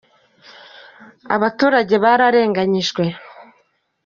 Abaturage bararenganijwe.